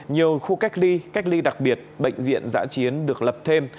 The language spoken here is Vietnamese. nhiều khu cách ly cách ly đặc biệt bệnh viện giã chiến được lập thêm